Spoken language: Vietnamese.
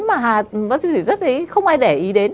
mà bác sĩ thủy rất không ai để ý đến